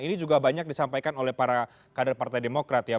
ini juga banyak disampaikan oleh para kader partai demokrat ya